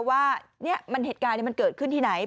ว่าเนี่ยมันเหตุการณ์เนี่ยมันเกิดขึ้นที่ไหน